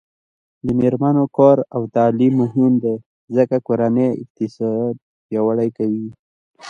د میرمنو کار او تعلیم مهم دی ځکه چې کورنۍ اقتصاد پیاوړی کوي.